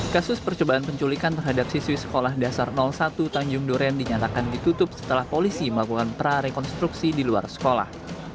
kasus percobaan penculikan terhadap siswi sekolah dasar satu tanjung duren dinyatakan ditutup setelah polisi melakukan prarekonstruksi di luar sekolah